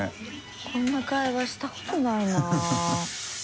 こんな会話したことないな。